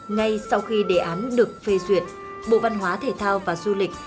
ngay sau khi đề án được phê duyệt bộ văn hóa thể thao và du lịch